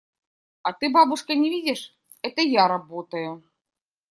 – А ты, бабушка, не видишь – это я работаю.